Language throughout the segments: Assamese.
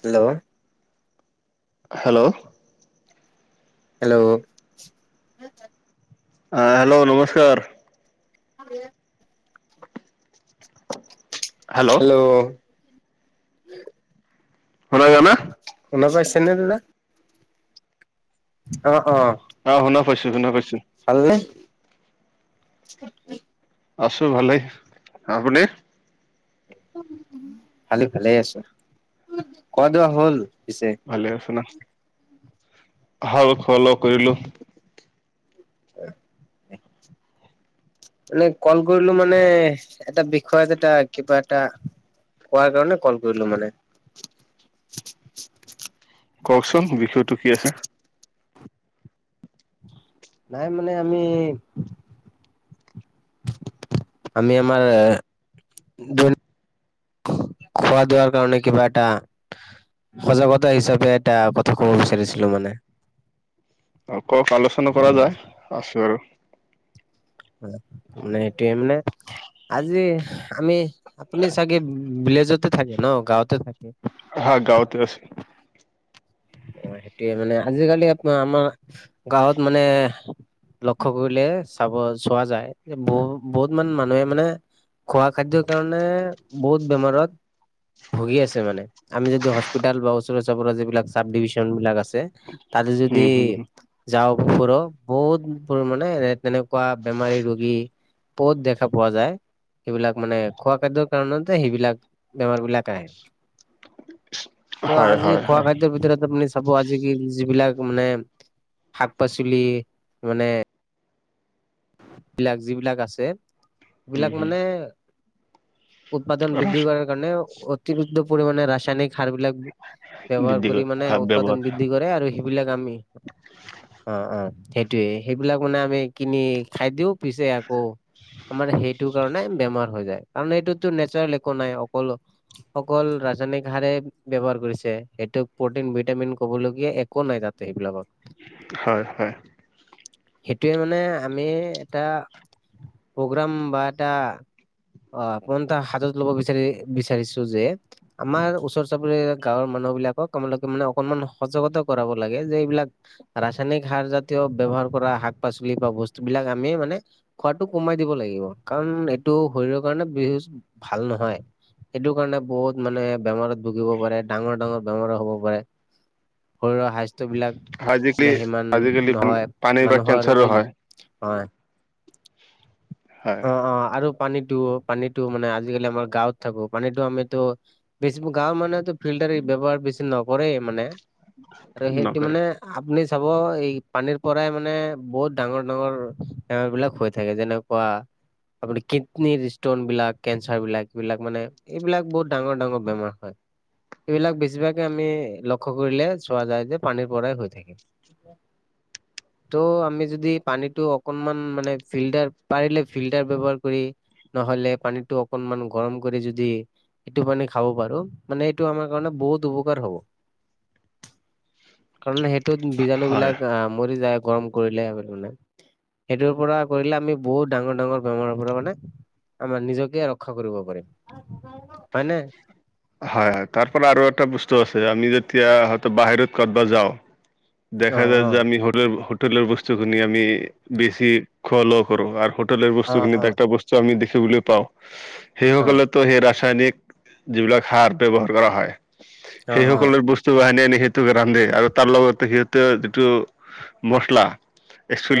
হেল্ল'। হেল্ল'। হেল্ল'। অ হেল্ল' নমস্কাৰ। [unintelligible] হেল্ল'। শুনিছ না শুনা পাইছে নে দাদা। অ অ। অ শুনা পাইছো শুনা পাইছো। ভাল নে? [unintelligible] আছো ভালেই আপুনি। খালি ভালে আছো কবাত যোৱা হল পিছে। ভালে আছে না? হাল ফল কৰিলো। [inaudible] মানে কল কৰিলো মানে এটা বিষয়ত এটা কিবা এটা কৰাৰ কাৰণে কল কৰিলো মানে কওকচোন বিষয়টো কি আছে নাই মানে আমি। আমি আমাৰ। খোৱা ধোৱাৰ কাৰণে কিবা এটা সজাগতা হিচাপে এটা কথা ক'ব বিচাৰিছিলো মানে। অ কওক আলোচনা কৰা যায় আছো আৰু। হয় মানে এইটোৱে মানে। আজি আমি আপুনি চাগে ভিলেজতে থাকে ন গাঁৱতে থাকে। হয় গাঁৱতে আছে হয় সেইটোয়ে মানে আজিকালি আপোনাৰ আমাৰ গাঁৱত মানে লক্ষ্য কৰিলে চাব চোৱা যায় বহুত বহুত মান মানুহে মানে খোৱা খাদ্যৰ কাৰণে বহুত বেমাৰত ভুগি আছে মানে আমি যদি হস্পিতেল বা ওচৰ চুবুৰীৰে যিবিলাক চাব ডিভিশন বিলাক আছে তাতে যদি উম হম যাওঁ ফুৰো বহুতবোৰ মানে এনে তেনেকোৱা বেমাৰী ৰোগী বহুত দেখা পোৱা যায় সেইবিলাক মানে খোৱা খাদ্যৰ কাৰণতহে সেইবিলাক বেমাৰ বিলাক আহে তো হয় আজি হয় খোৱা হয় খা দ্য ভিতৰত আপুনি চাব আজি কি যিবিলাক মানে শাক পাচলি মানে বিলাক যিবিলাক আছে উম সেবিলাক মানে হম উৎপাদন বৃদ্ধি কৰাৰ কাৰণে অতিৰিক্ত পৰিমাণে ৰাসায়নিক সাৰ বিলাক ব্যৱহাৰ কৰি দিদিগত মানে ব্যৱহাৰ উৎপাদন বৃদ্ধি কৰে আৰু সে বিলাক আমি অ অ সেইটোয়ে সেইবিলাক মানে আমি কিনি খাই দিও পিছে আকৌ আমাৰ সেইটো কাৰণে বেমাৰ হৈ যায় কাৰণ এইটোততো নেচাৰেল একো নাই অকল অকল ৰাসায়নিক সাৰেই ব্যৱহাৰ কৰিছে সেইটোক প্ৰটিন ভিটামিন কবলগীয়া একো নাই তাত ত সেইবিলাকত হয় হয় সেইটোৱে মানে আমি এটা প্ৰগ্ৰাম বা এটা অ আপোন তাৰ হাতত লব বিচাৰি বিচাৰিছো যে আমাৰ ওচৰ চুবুৰীয়া গাঁৱৰ মানুহ বিলাকক তোমালোকে মানে অকনমান সজাগতা কৰাব লাগে যে এইবিলাক ৰাসায়নিক সাৰ জাতীয় ব্যৱহাৰ কৰা শাক পাচলি বা ব স্তুবিলাক আমি মানে খোৱাটো কমাই দিব লাগিব কাৰণ এইটো শৰীৰৰ কাৰণে বেহুচ ভাল নহয় সেইটো কাৰণে বহুত মানে বেমাৰত ভুগিব পাৰে ডাঙৰ ডাঙৰ বেমাৰো হ'ব পাৰে শৰীৰৰ স্বাস্থ্য বিলাক আজিকালি নে সিমান আজিকালি নহয় পানীৰ পৰা মানুহৰ কেঞ্চাৰো যি হয় হয় হয় অ অ আৰু পানীতো পানীতো মানে আজিকালি আমাৰ গাঁৱত থাকো পানীতো আমিতো বেছি গাঁৱৰ মানুহেতো ফিল্টাৰ এই ব্যৱহাৰ বেছি নকৰেই মানে আৰু সেইটো নকৰে মানে আপুনি চাব এই পানীৰ পৰাই মানে বহুত ডাঙৰ ডাঙৰ কাম বিলাক হৈ থাকে যেনেকোৱা আপুনি কিডনিৰ ষ্টন বিলাক কেঞ্চাৰ বিলাক এইবিলাক মানে এইবিলাক বহুত ডাঙৰ ডাঙৰ বেমাৰ হয় এইবিলাক বেছিভাগে আমি লক্ষ্য কৰিলে চোৱা যায় যে পানীৰ পৰাই হৈ থাকে ত' আমি য দি পানীতো অকনমান মানে ফিল্টাৰ পাৰিলে ফিল্টাৰ ব্যৱহাৰ কৰি নহলে পানীতো অকনমান গৰম কৰি যদি এইটো মানে খাব পাৰো মানে এইটো আমাৰ কাৰণে বহুত উপকাৰ হব। কাৰণ সেইটোত বীজাণু হয় বিলাক আহ মৰি যায় গৰম কৰিলে। মানে সেইটোৰ পৰা কৰিলে আমি বহুত ডাঙৰ ডাঙৰ বেমাৰৰ পৰা মানে আমাৰ নিজকে ৰক্ষা কৰিব পাৰিম হয় নে হয় হয় তাৰ পৰা আৰু এটা বস্তু আছে আমি যেতিয়া হয়টো বাহিৰত ক'ৰবাত যাও অ দেখা যায় অ যে আমি হোটেলৰ হোটেলৰ বস্তুখিনি আমি বেছি খোৱা লোৱা কৰো আৰু তল অ বস্তুখিনিত অ একটা বস্তু আমি দেখিবলৈ পাওঁ অ সেইসকলেতো সেই ৰাসায়নিক যিবিলাক সাৰ ব্যৱহাৰ কৰা হয় অ অ সেই সকলৰ বস্ত- চ হানী আনি সিহটোকে ৰান্ধে আৰু তাৰ লগতে সিহঁতে যিটো মচলা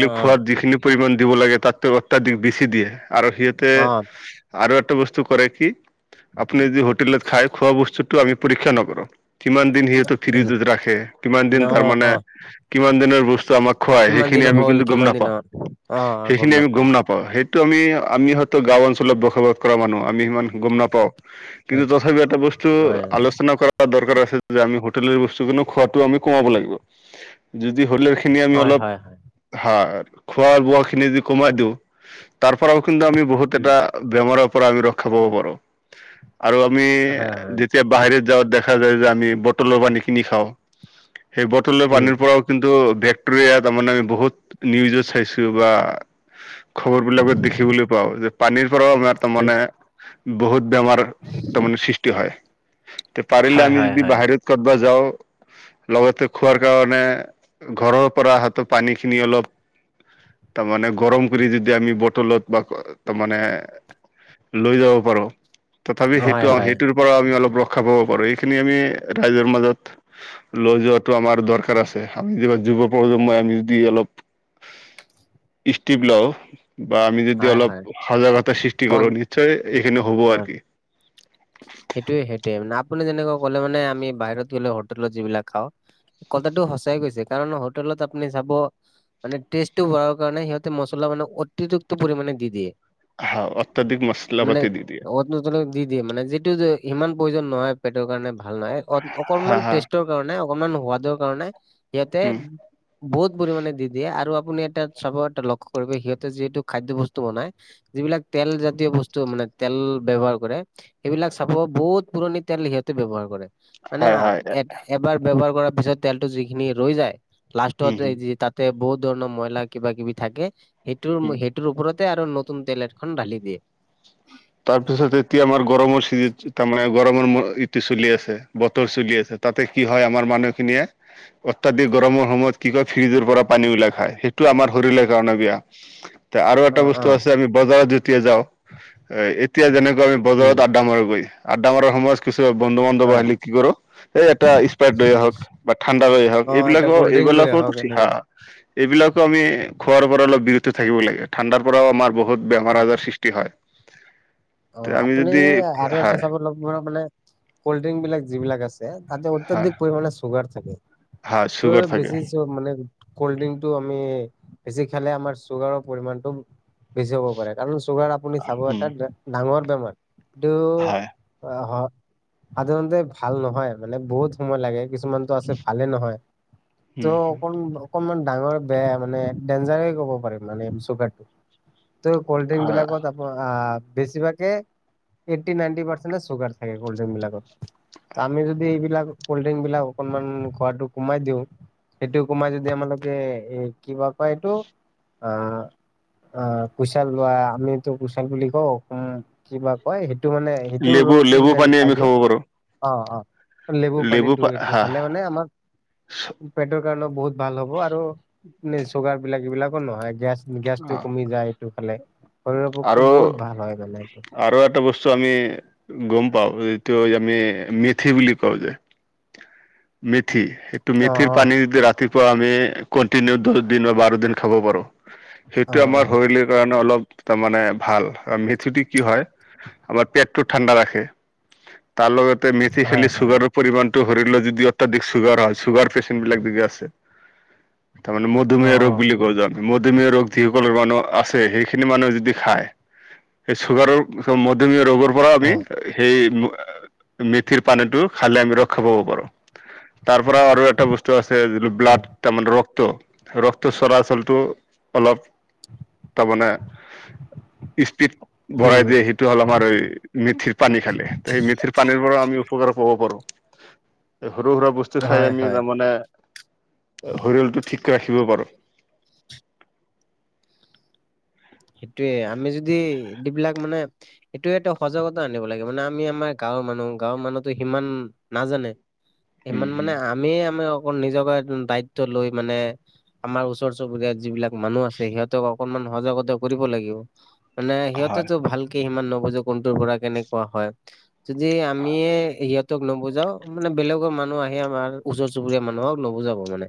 অ খোৱাত যিখিনি পৰিমাণ দিব লাগে তাতো অত্যাধিক বেছি দিয়ে আৰু সিহঁতে অ অ আৰু এটা বস্তু কৰে কি আপুনি যদি হোটেলেত খায় খোৱা বস্তুটো আমি পৰীক্ষা নকৰোঁ। কিমান দিন সিহেতে ফ্ৰিজত ৰাখে কিমান ন দিন অ তাৰমানে অ কিমান দিনৰ বস্ত- চ আমাক খোৱাই কিমান সেইখিনি দিন আমি হ'ল কিন্তু গম কিমান নাপাওঁ। দিনৰ অ সেইখিনি আমি নাপাও গম নাপ- সেইটো আমি আমি হয়ত গাঁও অঞ্চলত বসবাস কৰা মানুহ। আমি সিমান গম নাপাওঁ। কিন্তু তথাপিও এটা বস্তু হয় আলোচনা কৰাত দৰকাৰ আছে যে আমি হোটেলৰ বস্তু কিন্তু খোৱাটো আমি কমাব লাগিব। যদি হলেও খিনি আমি হয় অলপ হয় খোৱা বোৱা খিনি যদি কমাই দিওঁ তাৰ পৰাও কিন্তু আমি বহুত উম, এটা বেমাৰৰ পৰা আমি ৰক্ষা পাব পাৰো আৰু আমি হয়, হয়, যেতিয়া বাহিৰত যাওঁ দেখা যায় যে আমি বটলৰ পানী কিনি খাওঁ। সেই বটলৰ উম, পানীৰ পৰাও কিন্তু ভেক্টৰিয়া তাৰমানে আমি বহুত নিউজো চাইছো বা খবৰ বিলাকত দেখিবলৈ পাওঁ যে পানীৰ পৰাও আমাৰ তাৰ উম, মানে বহুত বেমাৰ তাৰমানে সৃষ্টি হয়। তে পাৰিলে হয়, আমি হয়, যদি হয়, বাহিৰত কতবা যাওঁ। লগতে খোৱাৰ কাৰণে ঘৰৰ পৰা হাতো পানী খিনি অলপ তাৰ মানে গৰম কৰি যদি আমি বটলত বা তামানে লৈ যাব পাৰো। তথাপি হয়, সেইটো হয়। সেইটোৰ পৰাও আমি অলপ ৰক্ষা পাব পাৰো এইখিনি আমি ৰাইজৰ মাজত লৈ যোৱাটো আমাৰ দৰকাৰ আছে। আমি যুৱ প্ৰজমই আমি যদি অলপ ষ্টিপ লওঁ। বা আমি যদি হয়, হয়, অলপ সজাগতা সৃষ্টি কৰো নিশ্চয় এইখিনি হব আৰ কি। [unintelligible] সেইটোৱে সেইটোৱে মানে আপুনি যেনেকুৱা ক'লে মানে আমি বাহিৰত গ'লে হোটেলত যিবিলাক খাওঁ। কথাটো সঁচাই গৈছে কাৰণ হোটেলত আপুনি চাব মানে টেষ্টটো হোৱা ৰ কাৰণে সিহঁতে মছলা মানে অতিৰিক্ত পৰিমাণে দি দিয়ে। হা অত্যাধিক মছলা মানে পাতি দি দিয়ে। অত দি দিয়ে মানে যিটো যে সিমান প্ৰয়োজন নহয় পেটৰ কাৰণে ভাল নহয়, হা অকণমান হা টেষ্টৰ কাৰণে অকমান সোৱাদৰ কাৰণে সিহঁতে উম বহুত পৰিমাণে দি দিয়ে আৰু আপুনি এটা চবটে লক্ষ্য কৰিবি সিহঁতে যিহেতু খাদ্য বস্তু বনাই। যিবিলাক তেল জাতীয় বস্তু মানে তেল ব্যৱহাৰ কৰে। এইবিলাক চাব বহুত পুৰণি তেল সিহঁতে ব্যৱহাৰ কৰে। মানে হয় হয়। এ এবাৰ ব্যৱহাৰ কৰাৰ পিছত তেলটো যিখিনি ৰৈ যায়। লাষ্টত উম এই হুম যে তাতে বহুত ধৰণৰ মইলা কিবা কিবি থাকে। সেইটোৰ ম হুম। সে- টোৰ ওপৰতে আৰু নতুন তেল এখন ঢালি দিয়ে। তাৰপিছত এতিয়া আমাৰ গৰমৰ চিজ তাৰমানে গৰমৰ ইটো চলি আছে বতৰ চলি আছে। তাতে কি হয় আমাৰ মানুহ খিনিয়ে অত্যাধিক গৰমৰ সময়ত কি কয় ফ্ৰিজৰ পৰা পানী উলাই খায়। সে- টো আমাৰ শৰীৰলে কাৰণে বেয়া। তে আৰু এটা অ', বস্তু অ', আছে আমি বজাৰত যেতিয়া যাওঁ। এ এতিয়া যেনেকৈ আমি উম, বজাৰত আড্ডা মাৰোগৈ। আড্ডা মাৰা সময়ত কিছু বন্ধু বান্ধৱ হয়। আহিলি কি কৰো? এই এটা স্প্ৰাইট লৈ আহক বা ঠাণ্ডা লৈ আহক অ', এটা এইবিলাকৰ কল্ড ড্ৰিংক লৈ এইবিলাকো আহক ঠিক এনেকে। হা এইবিলাকো আমি খোৱাৰ পৰা অলপ বিৰুত থাকিব লাগে। ঠাণ্ডাৰ পৰাও আমাৰ বহুত বেমাৰ অ', আজাৰ সৃষ্ট- টি হয়। অ তে আমি আপুনি যদি আৰু এটা হয় চাব ল'ব মানে কল্ড ড্ৰিংক বিলাক যিবিলাক আছে। তাতে হয় অত্যাধিক পৰিমে চুগাৰ থাকে হয় ত চুগাৰ থাকে বেছি। মানে কল্ড ড্ৰিংকটো আমি বেছি খালে আমাৰ চুগাৰৰ পৰিণটো। বেছি হব পাৰে কাৰণ চুগাৰ আপ- আপুনি চাব উম এটা ডাঙৰ বেমাৰ। হয় এইটো হ- সাধাৰণতে ভাল নহয় মানে বহুত সময় লাগে। কিছুমান আছে ভালে নহয় ত উম অকন অকণমান ডাঙৰ বেয়া মানে ডেঞ্জাৰই ক'ব পাৰিম মানে চুগাৰটো। টু কল্ড ড্ৰিংক হয় বিলাকত আপো আহ বেছিভাগে এইটি নাইনটি পাৰ্চেনে ছুগাৰ থাকে কল্ড্ৰড্ৰিংক বিলাকত। আমি যদি এইবিলাক কল্ড ড্ৰিংক বিলাক অকনমান খোৱাটো কমাই দিওঁ। সেইটো কমাই যদি আমালোকে এ কিবা কয় এইটো আহ। অ কোচাল লোৱা আমিতো কোচাল বুলি কওঁ উম কিবা কয়? সেইটো মানে। লেবু লেবু পানী আমি খাব পাৰো। অ'হ, অ'হ, লেবু পানীটো পা এইটো হা খালে মানে আমাক। পেটৰ কাৰণেও বহুত ভাল হ'ব আৰু নে চুগাৰ বিলাক এইবিলাকো নহয় গেছ। আ, গেছটো কমি যায় এইটো খালে শৰীৰৰ পক্ষে আৰু বহুত ভাল হয় মানে এইটো। আৰু এটা বস্তু আমি গম পাওঁ যিটো আমি মেথি বুলি কওঁ যে। মেথি সেইটো অ মেথিৰ অ পানী দি ৰাতি। ৰাতিপুৱা আমি কণ্টিনিউ দহ দিন বা বাৰ দিন খাব পাৰো অ সেইটোৱে অ আমাৰ শৈলীৰ। কাৰণে অলপ তাৰমানে ভাল মেথিটো কি হয়। আমাৰ পেটটো ঠাণ্ডা ৰাখে তাৰ লগতে মেথি হয় খেলি হয় চুগাৰৰ পৰিমানটো সৰি ল যদি। অত্যাধিক চুগাৰ হয় চুগাৰ পেচেণ্ট বিলাক দি আছে তাৰমানে অ মধুমেহয় ৰোগ বুলি কওঁ জান। মধুমিহিয়া ৰোগ যিসকলৰ মানুহ আছে সেইখিনি মানুহে যদি খায়। সেই চুগাৰৰ চব মধ্যমীয়া ৰোগৰ। পৰা অ অ আমি সেই মেথিৰ পানীটো খালে আমি ৰক্ষা পাব পাৰো। তাৰ পৰা আৰু এটা বস্তু আছে যিটো ব্লাড তাৰমানে ৰক্ত। ৰক্ত, ৰক্ত চৰাচলটো অলপ তাৰমানে। ইস্পিত বঢ়াই উম দিয়ে, সেইটো হ'ল, আমাৰ মেথিৰ পানী খালে। সেই মেথিৰ পানীৰ পৰা আমি উপকাৰ পব পাৰো। সৰু সুৰা বস্তু খাই হয় আমি হয় তাৰমানে শৰীৰলটো ঠিক কৈ ৰাখিব পাৰোঁ। সেইটোয়ে আমি যদি এইবিলাক মানে। সেইটোৱেত সজাগতা আনিব লাগে মানে আমি আমাৰ গাঁৱৰ মানুহ গাঁৱৰ মানুহতো সিমান নাজানে। ইমান মানে আমি আমি অক নিজকে দায়িত্ব লৈ মানে। আমাৰ ওচৰ চুবুৰীয়াত যিবিলাক মানুহ আছে। সিহঁতক অকনমান সজাগত। কৰিব লাগিব মানে হয় সিহঁতেটো ভালকে সিমান নবুজো কোনটোৰ পৰা কেনেকুৱা হয়। যদি আমিয়ে সিহঁতক নুবুজাও মানে বেলেগৰ মানুহ আহে আমাৰ। ওচৰ চুবুৰীয়া মানুহক নবুজাব মানে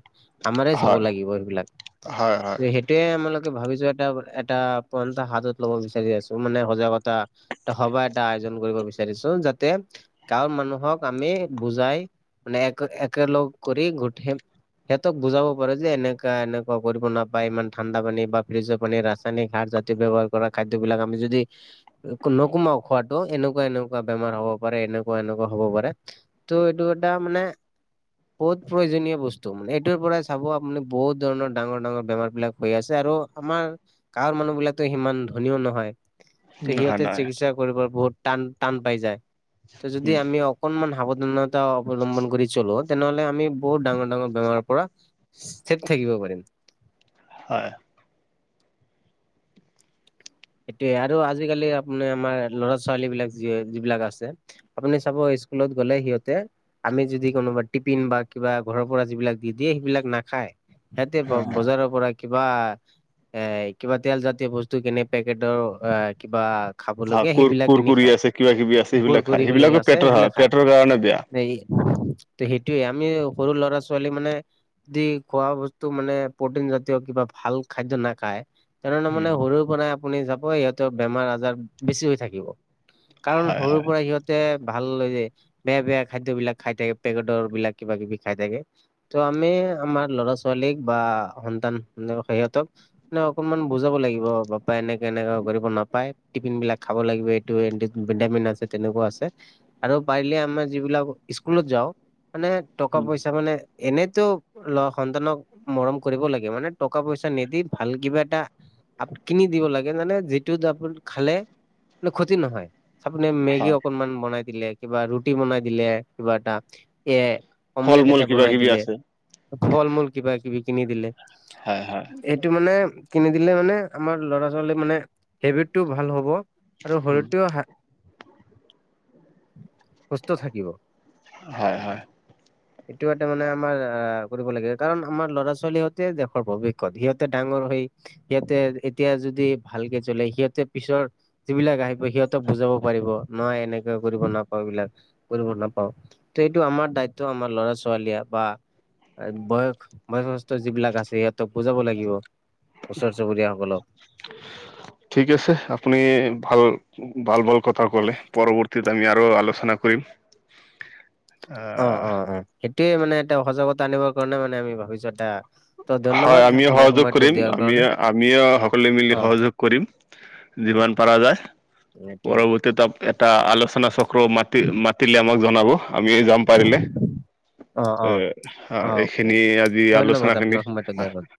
আমাৰে চাব হয় লাগিব সেইবিলাক হয় হয় হয় সেই টোৱে আমালোকে ভাবিছো এটা এটা পন্থা হাতত লব বিচাৰি আছো মানে সজাগতা। টা সভা এটা আয়োজন কৰিব বিচাৰিছো যাতে। গাঁৱৰ মানুহক আমি বুজাই মানে এক একেলগ কৰি গুঠি। সিহঁতক বুজাব পাৰো যে এনেকুৱা এনেকুৱা কৰিব নাপায় ইমান ঠাণ্ডা পানী বা ফ্ৰিজৰ পানী ৰা। নী খাৰ জাতীয় ব্যৱহাৰ কৰা খাদ্যবিলাক আমি যদি। নকোমাও খোৱাটো এনেকুৱা এনেকুৱা বেমাৰ হব, পাৰে এনেকুৱা, এনেকুৱা হ'ব পাৰে। তো এইটো এটা মানে। বহুত প্ৰয়োজনীয় বস্তু মানে এইটোৰ পৰাই চাব আপুনি বহুত ধৰণৰ ডাঙৰ ডাঙৰ বেমাৰ বিলাক। হৈ আছে আৰু আমাৰ। গাঁৱৰ মানুহ বিলাকতো সিমান ধনিও নহয়, ত নহয় সিহঁতে নহয় চিকিৎসা কৰিব বহুত টান। টান পাই যায়। ত' যদি আমি অক অকনমান সাৱধানতা অৱলম্বন কৰি চলো তেনেহলে আমি বহুত ডাঙৰ ডাঙৰ বেমাৰৰ পৰা থিক থাকিব পাৰিম। হয়। সেইটোৱে আৰু আজিকালি আপ্নি আমাৰ ল'ৰা-ছোৱালী বিলাক যিবিলাক আছে আপুনি চাব স্কুলত গ'লে সিহঁতে। আমি যদি কোনোবা টিপিন বা কিবা ঘৰৰ পৰা যিবিলাক দি দিয়ে সেইবিলাক নাখায়। হেতি হয় বজাৰৰ পৰা কিবা এ কিবা তেল জাতীয় বস্তু কিনি। পেকেটৰ অ। আহ কোৰ, কোৰকুৰি আছে কিবা কিবি আছে সেইবিলাক কুৰকুৰি খাই বুলি সেইবিলাকো পেটৰ হা। পেটৰ কাৰণে বেয়া। ত' সেইটোয়ে আমি সৰু ল'ৰা-ছোৱালী মানে দি খোৱা বস্তু মানে প্ৰ'টিন জাতীয় কিবা ভাল খাদ্য নাখায় তেনেহ'লে উম মানে সৰুৰ পৰাই আপুনি চাব সিহঁতৰ বেমাৰ- আজাৰ বেছি হৈ থাকিব। কাৰণ হয় সৰুৰ হয়। পৰা সিহঁত যে ভাল, [unintelligible] বেয়া বেয়া খাদ্যবলাক খাই থাকে পেকেটৰ বিলাক কিবা কিবি খাই থাকে ত' আমি আমাৰ ল'ৰা-ছোৱালীক বা সন্তানৰ সিহঁতক নহ অকনমান বুজাব লাগিব হ'ব। এনেকে এনেকে কৰিব নাপায়। টিফিন বিলাক খাব লাগিব এইটো ভিটামিন আছে তেনেকুৱা আছে। আৰু পাৰিলে আমাৰ যিবিলাক স্কুলত যাওঁ মানে টকা উম পইচা মানে এনেতো ল সন্তানক মৰম কৰিব লাগে মানে টকা পইচা নিদি ভাল কিবা এটা আপ কিনি দিব লাগে মানে যিটোত আপু খালে ক্ষতি নহয়। আপুনি মেগী হয় অকনমান বনাই দিলে, কিবা ৰুটি বনাই দিলে কিবা এটা এ ফল অমলেট মূল এটা কিবা বনাই কিবি দিলে আছে ফল-মূল, কিবা-কিবি কিনি দিলে হয় হয়। এইটো মানে কিনি দিলে মানে আমাৰ ল'ৰা-ছোৱালীৰ মানে হেবিটটো ভাল হ'ব। আৰু উম, শৰীৰটোও সা সুস্থ থাকিব। হয় হয়। [inaudible] এইটো এটা মানে আমাৰ আহ কৰিব লাগে কাৰণ আমাৰ ল'ৰা-ছোৱালীহতে দেশৰ ভৱিস্যত। সিহঁতে ডাঙৰ হৈ সিহঁতে এতিয়া যদি ভালকে জলে সিহঁতে পিছৰ যিবিলাক আহি সিহঁতক বুজাব পাৰিব, নহয় এনেকে কৰিব নকওঁ এইবলাক। কৰিব নাপাওঁ। ত' এইটো আমাৰ দায়িত্ব আমাৰ ল'ৰা- ছোৱালীয়ে বা বয়স বয়সস্থ যিবিলাক আছে সিহঁতক বুজাব লাগিব, ওচৰ চুবুৰীয়াসকলক। ঠিক আছে আপুনি ভাল ভাল-ভাল কথা ক'লে। পৰৱৰ্তীত আমি আৰু আলোচনা কৰিম। [inaudible] আহ অ-অ-অ, সেইটোৱে মানে এটা সজাগতা আনিবৰ কাৰণে মানে আমি ভাবিছো এটা ত ধন্যবাদ হয় আমিও আপোনাৰ সহযোগ সময়টো কৰিম। দিয়াৰ আমি কাৰণে আমি সকলোৱে অ মিলি সহযোগ কৰিম। যিমান পাৰ যায়। সেইটোৱে। ত' তাত এটা আলোচনা চক্ৰ মাতি মাতিলে আমাক জনাব। আমি যাম পাৰিলে। অ অ এ হা অ অকে এইখিনিয়ে আজি ধন্যবাদ আলোচনাখিনি। [unintelligible]